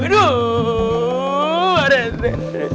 aduh pak rete